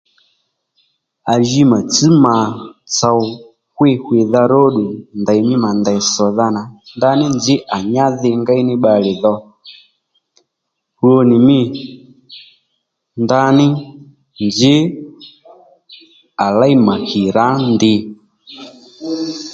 À ji mà tsš mà tsò hwî hwìdha róddù ndèymí mà ndèy ss̀dha nà ndaní nzǐ à nyá dhi ngéy ní bbalè dho rwo nì mî ndaní nzǐ à léy mà hì rǎ nú ndìy